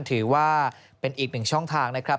ถือว่าเป็นอีกหนึ่งช่องทางนะครับ